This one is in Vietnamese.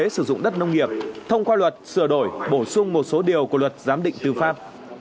quốc hội đã thông qua nghị quyết về miễn thuật thông qua luật sửa đổi bổ sung một số điều của luật giám định tư pháp